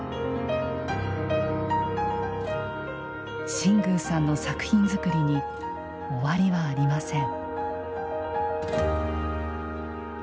新宮さんの作品づくりに終わりはありません。